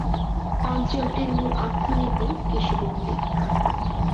অঞ্চলটির মূল অর্থনীতি কৃষিভিত্তিক।